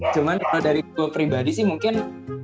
cuman kalo dari gua pribadi sih mungkin